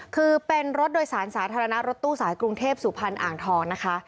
คือเป็นรถโดยสารสาธารณะรถตู้สายกรุงเทพสุพรรณอ่างทองนะคะ